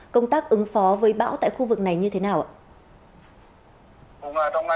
công tác ứng phó với bão tại khu vực này như thế nào ạ